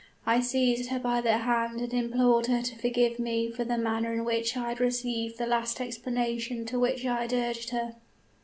I seized her by the hand and implored her to forgive me for the manner in which I had received the last explanation to which I had urged her.